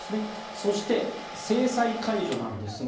そして、制裁解除ですが